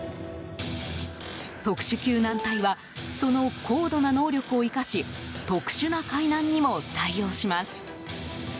特殊救難隊はその高度な能力を生かし特殊な海難にも対応します。